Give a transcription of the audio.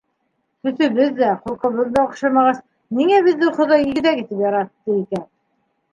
Төҫөбөҙ ҙә, холҡобоҙ ҙа оҡшамағас, ниңә беҙҙе Хоҙай игеҙәк итеп яратты икән?